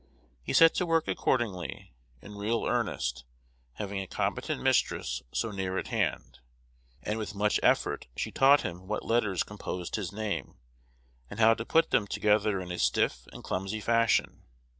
He set to work accordingly, in real earnest, having a competent mistress so near at hand; and with much effort she taught him what letters composed his name, and how to put them together in a stiff and clumsy fashion.